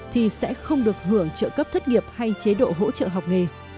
thì sẽ không được hưởng trợ cấp thất nghiệp hay chế độ hỗ trợ học nghề